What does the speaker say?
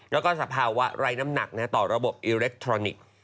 แล้วก็สภาวะไร้น้ำหนักต่อระบบอิเล็กทรอนิกส์